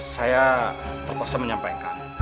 saya terpaksa menyampaikan